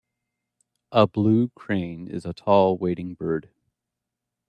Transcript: A blue crane is a tall wading bird.